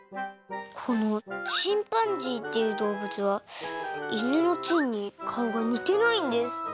このチンパンジーっていうどうぶつはいぬの狆にかおがにてないんです。